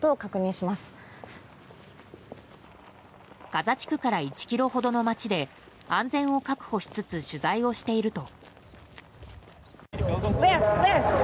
ガザ地区から１ｋｍほどの街で安全を確保しつつ取材をしていると。